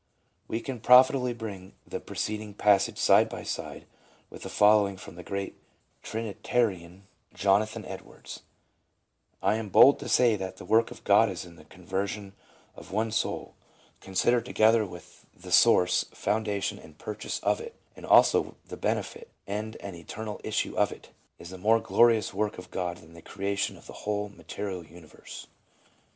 We can profitably bring the preceding passage side by side with the following from the great Trinitarian, Jonathan Edwards :'' I am bold to say that the work of God in the conver sion of one soul, considered together with the source, founda tion and purchase of it, and also the benefit, end and eternal issue of it, is a more glorious work of God than the creation of the whole material universe."